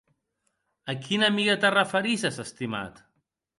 A quina amiga te referisses, estimat?